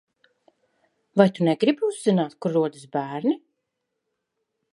Vai tu negribi uzzināt, kur rodas bērni?